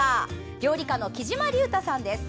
料理家のきじまりゅうたさんです。